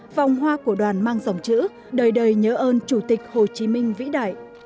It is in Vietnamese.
vòng hoa của đoàn mang dòng chữ đời đời nhớ ơn chủ tịch hồ chí minh vĩ đại